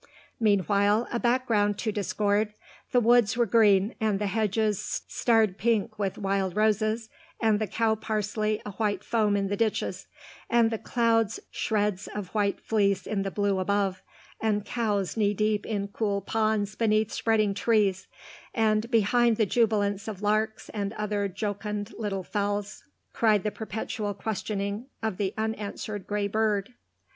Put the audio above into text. Meanwhile, a background to discord, the woods were green and the hedges starred pink with wild roses and the cow parsley a white foam in the ditches, and the clouds shreds of white fleece in the blue above, and cows knee deep in cool pools beneath spreading trees, and, behind the jubilance of larks and the other jocund little fowls, cried the perpetual questioning of the unanswered grey bird....